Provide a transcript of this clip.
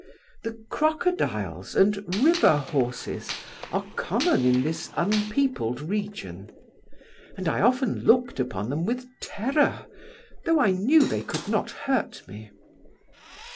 The crocodiles and river horses are common in this unpeopled region; and I often looked upon them with terror, though I knew they could not hurt me.